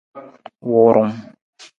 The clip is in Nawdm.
Wuurung.